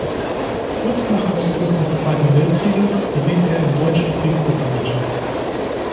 Kurz nach Ausbruch des Zweiten Weltkrieges geriet er in deutsche Kriegsgefangenschaft.